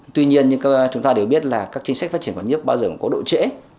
tuy nhiên như chúng ta đều biết là các chính sách phát triển của nước bao giờ cũng có độ trễ